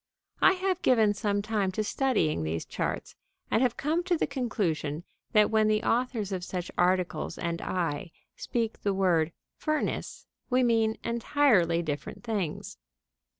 I have given some time to studying these charts, and have come to the conclusion that when the authors of such articles and I speak the word "furnace," we mean entirely different things.